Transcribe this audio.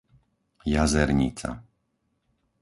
Jazernica